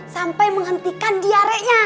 sampai menghentikan diarenya